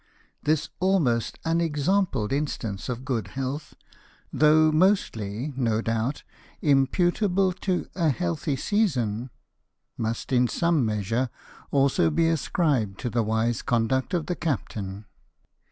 This almost unexampled instance of good health, though mostly, no doubt, im putable to a healthy season, must, in some measure, also be ascribed to the wise conduct of the captain.